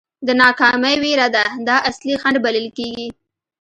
د ناکامۍ وېره ده دا اصلي خنډ بلل کېږي.